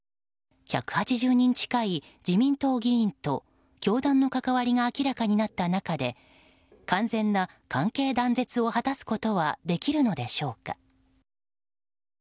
１８０人近い自民党議員と教団の関わりが明らかになった中で完全な関係断絶を果たすことはできるのでしょうか。